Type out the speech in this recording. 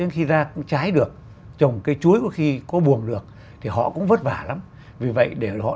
khi ra cũng trái được trồng cây chuối có khi có buồn được thì họ cũng vất vả lắm vì vậy để họ